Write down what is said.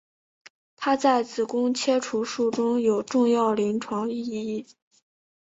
它在子宫切除术中有重要临床意义。